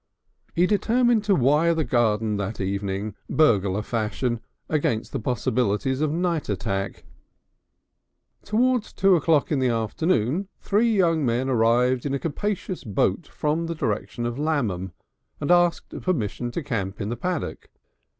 He determined to wire the garden that evening, burglar fashion, against the possibilities of a night attack. Towards two o'clock in the afternoon three young men arrived in a capacious boat from the direction of Lammam, and asked permission to camp in the paddock.